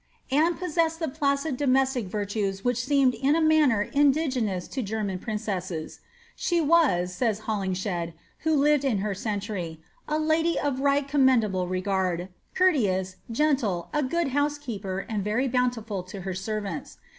Anne possessed the placid domestic virtues which seem in a manner iniKgcDoiia to German princesses. " She was," savs Holingshed, who lived in her century, ""a lady uf right commendable regard, courteoiu, r^nile, a good housekeeper, and very bouuliful lo her servants."